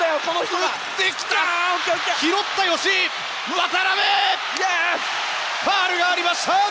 渡邊、ファウルがありました。